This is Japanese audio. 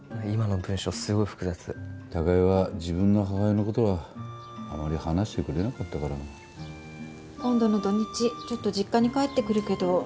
今の文章すごい複雑貴恵は自分の母親のことはあまり話してくれなかったから今度の土日ちょっと実家に帰ってくるけど